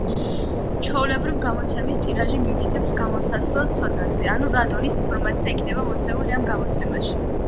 ჩვეულებრივ გამოცემის ტირაჟი მიუთითებს გამოსასვლელ ცოდნაზე, ანუ რა დონის ინფორმაცია იქნება მოცემული ამ გამოცემაში.